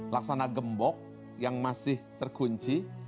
laksana gembok yang masih terkunci